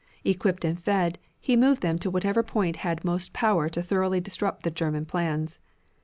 Equipped and fed, he moved them to whatever point had most power to thoroughly disrupt the German plans.